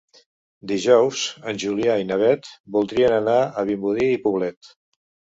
Dijous en Julià i na Beth voldrien anar a Vimbodí i Poblet.